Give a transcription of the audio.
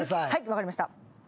分かりました。